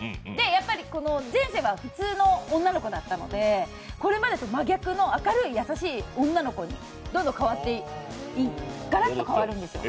やっぱり前世は普通の女の子だったのでこれまでと真逆の明るく優しい女の子にガラッと変わるんですよ。